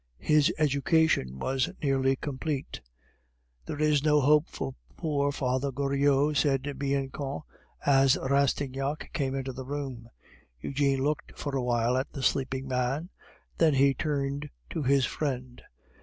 His education was nearly complete. "There is no hope for poor Father Goriot," said Bianchon, as Rastignac came into the room. Eugene looked for a while at the sleeping man, then he turned to his friend.